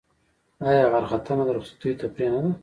آیا غره ختنه د رخصتیو تفریح نه ده؟